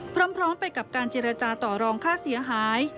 พร้อมไปกับการเจรจาต่อรองค่าเสียหาย